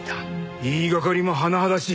言いがかりも甚だしい！